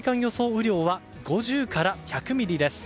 雨量は５０から１００ミリです。